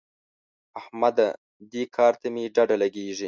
احمده! دې کار ته مې ډډه لګېږي.